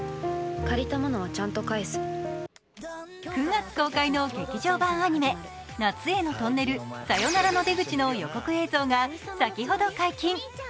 ９月公開の劇場版アニメ「夏へのトンネル、さよならの出口」の予告映像が先ほど解禁。